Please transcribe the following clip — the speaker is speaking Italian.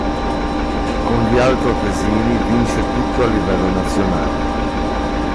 Con gli altoatesini vince tutto a livello nazionale.